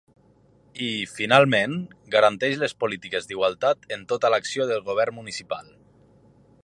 I, finalment, garanteix les polítiques d’igualtat en tota l’acció del govern municipal.